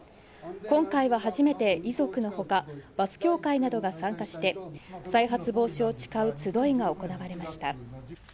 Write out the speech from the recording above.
今回は初めて遺族のほか、バス協会などが参加して、再発防止を誓う集いが行われました。